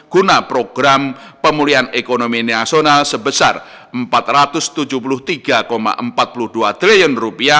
guna program pemulihan ekonomi nasional sebesar rp empat ratus tujuh puluh tiga empat puluh dua triliun